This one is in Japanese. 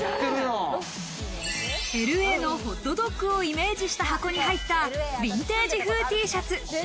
Ｌ．Ａ．のホットドッグをイメージした箱に入ったヴィンテージ風Ｔシャツ。